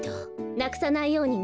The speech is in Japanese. なくさないようにね。